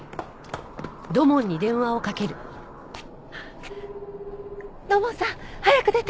土門さん早く出て。